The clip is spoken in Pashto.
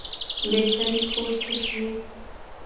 بې سړي کور تش وي